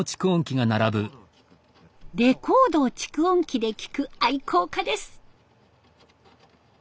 レコードを蓄音機で聴く愛好家です。